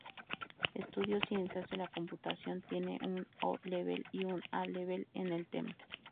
Estudió Ciencias de la Computación tiene un O-Level y un A-Level en el tema.